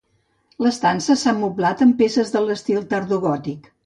L'estança s'ha moblat amb peces d'estil tardogòtic.